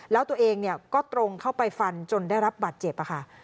แล้วตัวเองก็ตรงเข้าไปฟันจนได้รับบาดเจ็บค่ะ